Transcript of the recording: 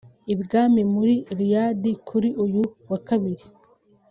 I bwami muri Riyadh kuri uyu wa Kabiri